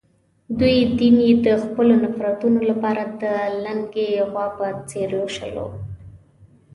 دوی دین یې د خپلو نفرتونو لپاره د لُنګې غوا په څېر لوشلو.